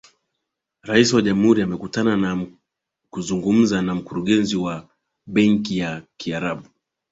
Rais wa Jamhuri amekutana na kuzungumza na Mkurugenzi Mkuu wa Benki ya Kiarabu